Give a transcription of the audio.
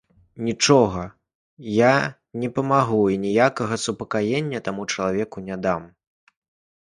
Нічога я не памагу і ніякага супакаення таму чалавеку не дам.